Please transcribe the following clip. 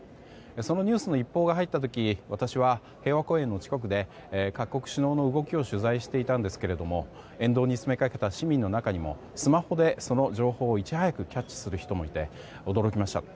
そのニュースの一報が入った時私は平和公園の近くで各国首脳の動きを取材していたんですが沿道に詰めかけた市民の中にもスマホでその情報をいち早くキャッチする人もいて驚きました。